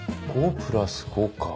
５プラス５か。